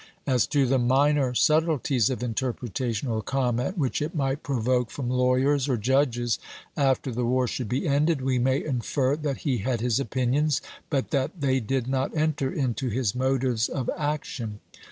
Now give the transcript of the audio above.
As to the minor subtleties of interpretation or comment which it might provoke from lawyers or judges after the war should be ended, we may infer that he had his opinions, but that they did not enter into his motives of action.